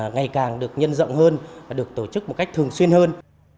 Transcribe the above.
ngày càng được nhân rộng hơn và được tổ chức một cách thường xuyên hơn